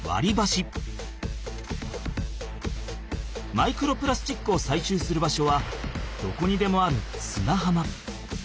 マイクロプラスチックをさいしゅうする場所はどこにでもある砂浜。